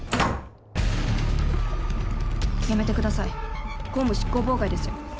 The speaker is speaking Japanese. やめてください公務執行妨害ですよ。